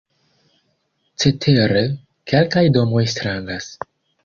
Cetere, kelkaj domoj strangas.